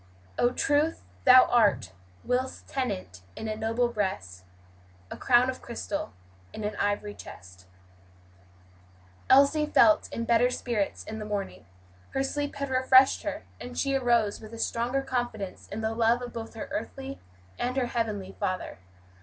"Oh Truth, Thou art, whilst tenant in a noble breast, A crown of crystal in an iv'ry chest." Elsie felt in better spirits in the morning; her sleep had refreshed her, and she arose with a stronger confidence in the love of both her earthly and her heavenly Father.